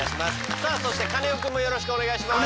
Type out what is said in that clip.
さあそしてカネオくんもよろしくお願いします。